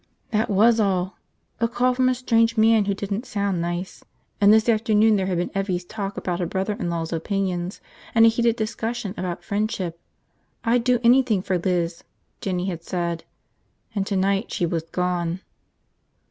That was all. A call from a strange man who didn't sound nice. And this afternoon there had been Evvie's talk about her brother in law's opinions, and a heated discussion about friendship – I'd do anything for Liz, Jinny had said – and tonight she was gone.